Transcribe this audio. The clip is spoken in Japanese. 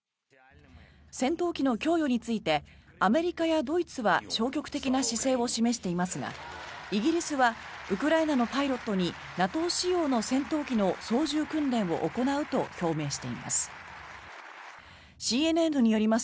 戦闘機の供与についてアメリカやドイツは消極的な姿勢を示していますがイギリスはウクライナのパイロットにＮＡＴＯ仕様の戦闘機の操縦訓練を行うと表明しています。